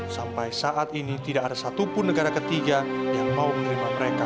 sampai saat ini tidak ada satupun negara ketiga yang mau menerima mereka